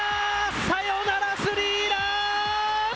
サヨナラスリーラン！